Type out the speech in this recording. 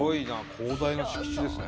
広大な敷地ですね。